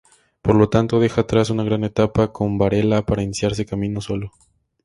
Por lo tanto, deja atrás una gran etapa con Varela para iniciarse camino solo.